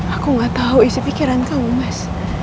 aku gak tahu isi pikiran kamu mas